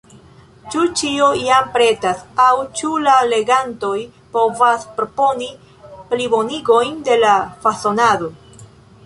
Ĉu ĉio jam pretas, aŭ ĉu la legantoj povas proponi plibonigojn de la fasonado?